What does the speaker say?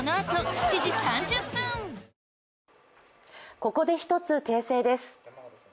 ここで１つ訂正です。